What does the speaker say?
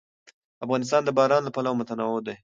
افغانستان د باران له پلوه متنوع دی.